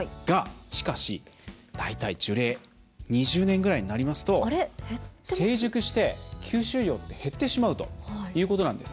しかし、大体樹齢２０年ぐらいになりますと成熟して吸収量が減ってしまうということなんです。